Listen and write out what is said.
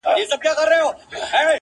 ته پاچا هغه فقیر دی بې نښانه-